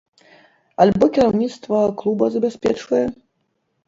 Альбо кіраўніцтва клуба забяспечвае?